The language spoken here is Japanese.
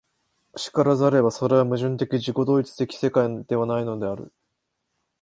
然らざれば、それは矛盾的自己同一的世界ではないのである。